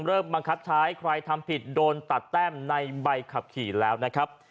บังคับใช้ใครทำผิดโดนตัดแต้มในใบขับขี่แล้วนะครับ